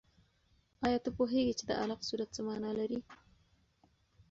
آیا ته پوهېږې چې د علق سورت څه مانا لري؟